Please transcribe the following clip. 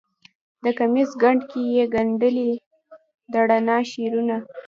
د کمیس ګنډ کې یې ګنډلې د رڼا شعرونه